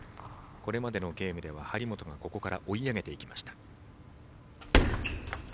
これまでのゲームでは張本がここから追い上げていきました。